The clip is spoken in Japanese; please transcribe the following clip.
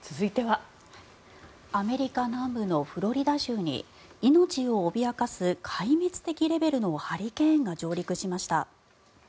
アメリカ南部のフロリダ州に命を脅かす壊滅的レベルのハリケーンが上陸しました。